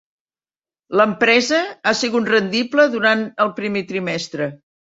L'empresa ha sigut rendible durant el primer trimestre.